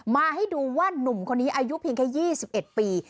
มาให้ดูว่านุ่มคนนี้อายุเพียงแค่๒๑ปี